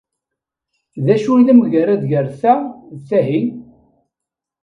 D acu i d amgerrad gar ta d tahi?